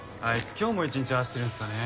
今日も一日ああしてるんですかね？